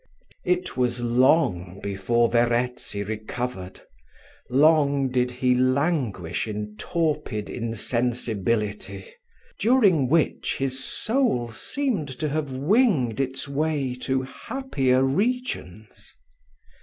It was long before Verezzi recovered long did he languish in torpid insensibility, during which his soul seemed to have winged its way to happier regions.